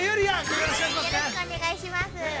◆よろしくお願いします。